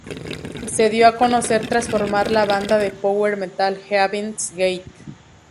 Se dio a conocer tras formar la banda de power metal Heaven's Gate.